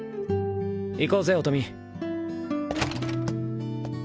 行こうぜ音美。